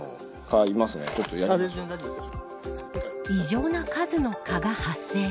異常な数の、蚊が発生。